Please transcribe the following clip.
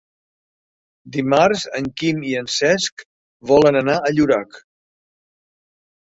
Dimarts en Quim i en Cesc volen anar a Llorac.